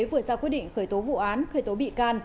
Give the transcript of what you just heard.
vừa ra quyết định khởi tố vụ án khởi tố bị can